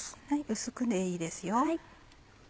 薄くでいいですよ。